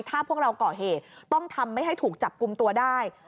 ถ้าพวกเราก่อเหตุต้องทำไม่ให้ถูกจับกลุ่มตัวได้